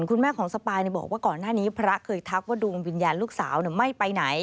คุณแม่ของสปายบอกว่าก่อนหน้านี้พระเคยทักว่าดวงวิญญาณลูกสาวไม่ไปไหน